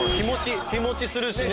日持ちするしね。